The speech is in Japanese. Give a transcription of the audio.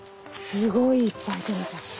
すごいいっぱいとれた。